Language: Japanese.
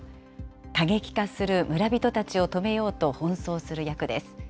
過激化する村人たちを止めようと奔走する役です。